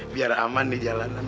biar aman di jalanan